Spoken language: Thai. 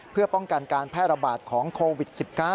เพื่อป้องกันการแพร่ระบาดของโควิด๑๙